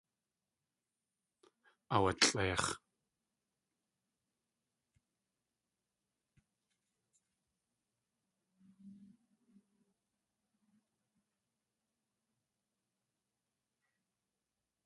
Aawalʼeix̲.